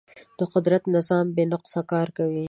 د قدرت نظام بې نقصه کار کوي.